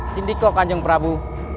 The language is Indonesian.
sindikoh kanjeng prabu